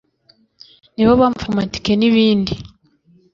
ni bo bamfashije ku matike n’ibindi